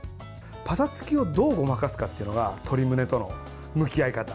パサつきをどうごまかすかってのが鶏むねとの向き合い方。